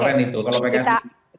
kalau pks itu